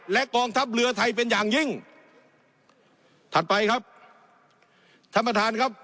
และกองทัพเรือไทยเป็นอย่างยิ่งถัดไปครับท่านประธานครับ